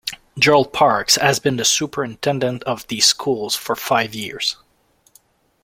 Gerald Parks has been the Superintendent of these schools for five years.